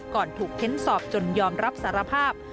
ก่อนถูกเค้นสอบจนยอมรับสารภาพ